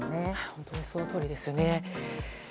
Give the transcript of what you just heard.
本当にそのとおりですね。